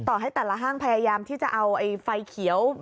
ให้แต่ละห้างพยายามที่จะเอาไฟเขียว